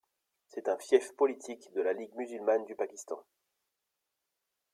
C'est un fief politique de la Ligue musulmane du Pakistan.